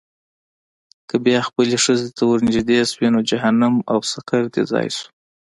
که بیا خپلې ښځې ته ورنېږدې شوې، نو جهنم او سقر دې ځای شو.